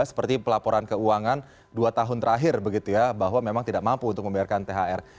seperti pelaporan keuangan dua tahun terakhir begitu ya bahwa memang tidak mampu untuk membayarkan thr